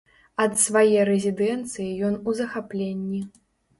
Ад свае рэзідэнцыі ён у захапленні.